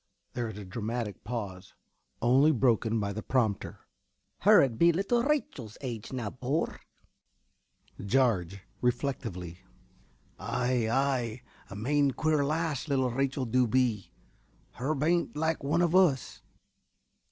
(There is a dramatic pause, only broken by the prompter.) Her ud be little Rachel's age now, bor? ~Jarge~ (reflectively). Ay, ay. A main queer lass little Rachel du be. Her bain't like one of us.